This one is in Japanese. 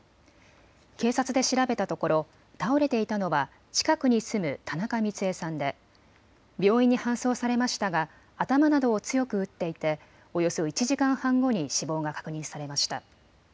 警察で調べたところ倒れていたのは近くに住む田中ミツエさんで病院に搬送されましたが頭などを強く打っていておよそ１時間半後に死亡が確認されました。